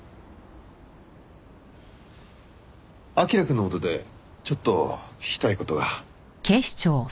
彬くんの事でちょっと聞きたい事が。